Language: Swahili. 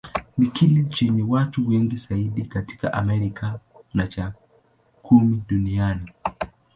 Ni kile chenye watu wengi zaidi katika Amerika, na cha kumi duniani.